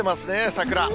桜。